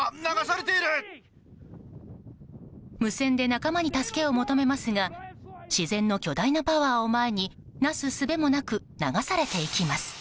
無線で仲間に助けを求めますが自然の巨大なパワーを前になすすべもなく流されていきます。